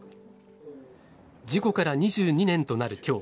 事故から２２年となる今日